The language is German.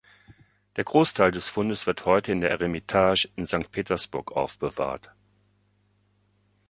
Der Großteil des Fundes wird heute in der Eremitage in Sankt Petersburg aufbewahrt.